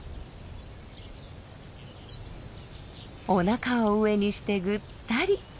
おなかを上にしてぐったり。